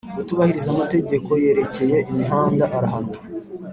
utubahiriza amategeko yerekeye imihanda arahanwa